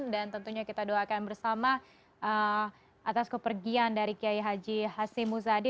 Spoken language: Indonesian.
dan tentunya kita doakan bersama atas kepergian dari kiai haji hasim muzadi